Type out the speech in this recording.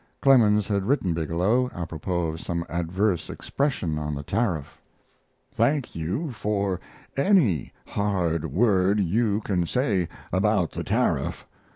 Clemens had written Bigelow, apropos of some adverse expression on the tariff: Thank you for any hard word you can say about the tariff.